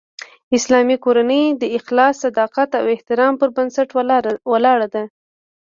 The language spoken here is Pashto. اسلامي کورنۍ د اخلاص، صداقت او احترام پر بنسټ ولاړه ده